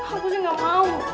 aku sih gak mau